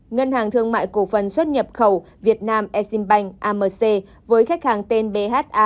ngân hàng thương mại cổ phân xuất nhập khẩu việt nam eximbank amc với khách hàng tên bha